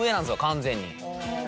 完全に。